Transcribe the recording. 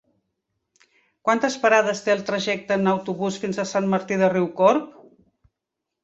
Quantes parades té el trajecte en autobús fins a Sant Martí de Riucorb?